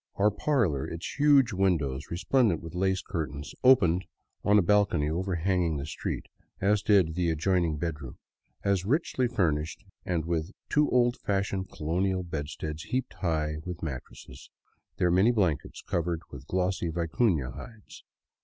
Our parlor, its huge windows resplendent with lace curtains, opened on a balcony overhanging the street, as did also the adjoining bedroom, as richly furnished and with two old fashioned colonial bedsteads heaped high with mattresses, their many blankets covered with glossy vicufia hides.